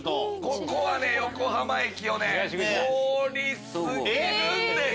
ここは横浜駅をね通り過ぎるんです。